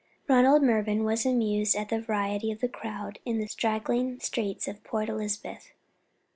Ronald Mervyn was amused at the variety of the crowd in the straggling streets of Port Elizabeth.